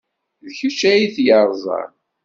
D kečč ay t-yerẓan?